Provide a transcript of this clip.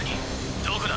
どこだ？